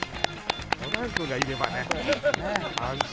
コナン君がいればね、安心。